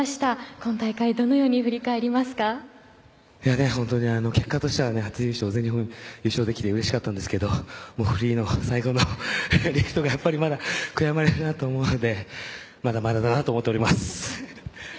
今大会、どのように本当に、結果としては全日本で初優勝できてうれしかったんですけどフリーの最後のリフトがまだ悔やまれるなと思うのでまだまだだなと思っております。